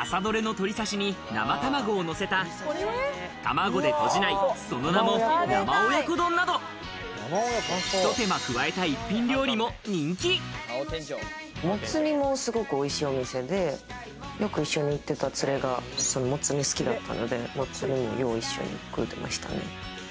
朝どれのとり刺しに生卵をのせた卵でとじない、その名も生親子丼など、モツ煮も、すごくおいしいお店でよく一緒に行ってた連れが、モツ煮、好きだったので、よう一緒に食うてましたね。